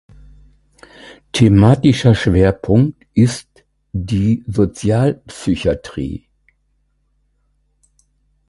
Thematischer Schwerpunkt ist die Sozialpsychiatrie.